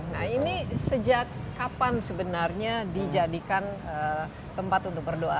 nah ini sejak kapan sebenarnya dijadikan tempat untuk berdoa